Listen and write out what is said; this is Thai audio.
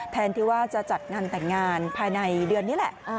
แทนที่ว่าจะจัดงานแต่งงานภายในเดือนนี้แหละ